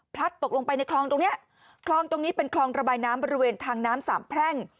ตกลงไปในคลองตรงเนี้ยคลองตรงนี้เป็นคลองระบายน้ำบริเวณทางน้ำสามแพร่ง